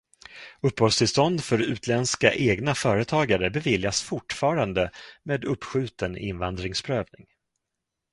Uppehållstillstånd för utländska egna företagare beviljas fortfarande med uppskjuten invandringsprövning.